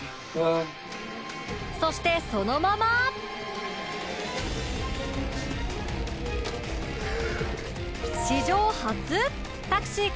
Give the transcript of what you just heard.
そしてそのままの箱へ